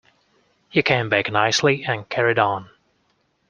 He came back nicely and carried on.